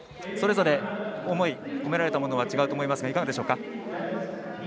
それぞれ思い、こめられたものは違うと思いますがいかがですか。